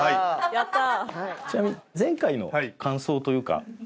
やったー！